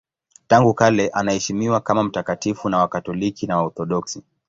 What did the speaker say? Tangu kale anaheshimiwa kama mtakatifu na Wakatoliki na Waorthodoksi.